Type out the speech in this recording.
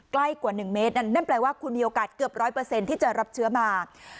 ใกล้กว่า๑เมตรนั่นแปลว่าคุณมีโอกาสเกือบ๑๐๐ที่จะรับเชื้อมา